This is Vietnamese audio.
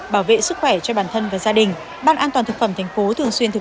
bảo vệ sức khỏe cho bản thân và gia đình ban an toàn thực phẩm thành phố thường xuyên thực